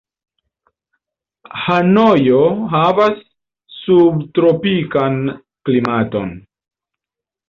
Hanojo havas subtropikan klimaton.